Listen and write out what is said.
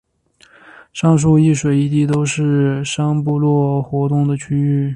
上述一水一地都是商部落活动的区域。